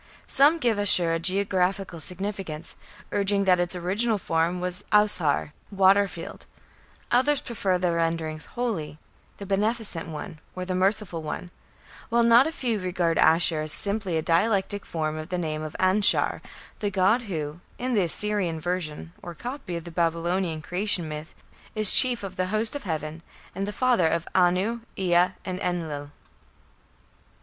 Some give Ashur a geographical significance, urging that its original form was Aushar, "water field"; others prefer the renderings "Holy", "the Beneficent One", or "the Merciful One"; while not a few regard Ashur as simply a dialectic form of the name of Anshar, the god who, in the Assyrian version, or copy, of the Babylonian Creation myth, is chief of the "host of heaven", and the father of Anu, Ea, and Enlil.